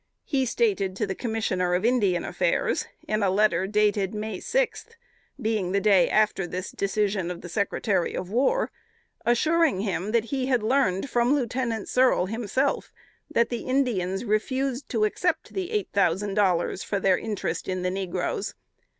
He stated to the Commissioner of Indian Affairs, in a letter dated May sixth, being the day after this decision of the Secretary of War, assuring him that he had learned from Lieutenant Searle himself that the Indians refused to accept the eight thousand dollars for their interest in the negroes.